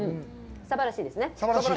サバらしいですね。